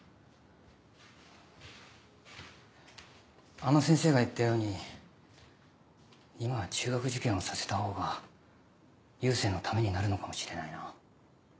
あの先生が言ったように今は中学受験をさせたほうが佑星のためになるのかもしれないな。